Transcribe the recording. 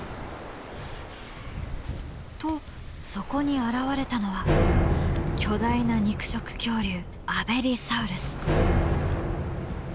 とそこに現れたのは巨大な肉食恐竜アベリサウルス。